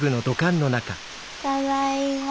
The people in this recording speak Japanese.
ただいま。